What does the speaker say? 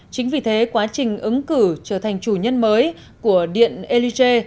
chính vì thế quá trình ứng cử trở thành chủ nhân mới của điện elise